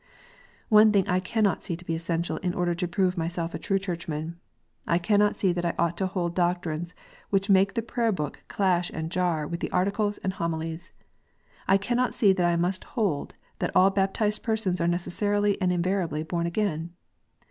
One thing I cannot see to be essential in order to prove myself a true Churchman. I cannot see that I ought to hold doctrines which make the Prayer book clash and jar with the Articles and Homilies. I cannot see that I must hold that all baptized persons are necessarily and invariably born again.